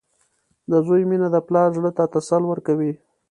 • د زوی مینه د پلار زړۀ ته تسل ورکوي.